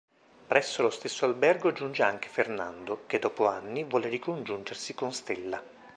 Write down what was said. Presso lo stesso albergo giunge anche Fernando, che dopo anni vuole ricongiungersi con Stella.